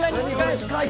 近い！